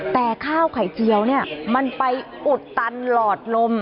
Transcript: แต่ข้าวไข่เจียวเนี่ยมันไปอุดตันหลอดลม